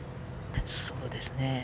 そうですね。